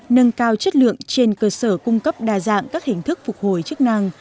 nâng cao chất lượng trên cơ sở cung cấp đa dạng các hình thức phục hồi chức năng